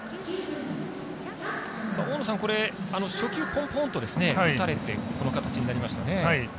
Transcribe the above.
初球ポンポンと打たれてこの形になりましたね。